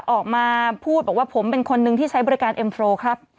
ออกมาพูดบอกว่าผมเป็นคนนึงที่ใช้บริการเอ็มโฟร์ครับ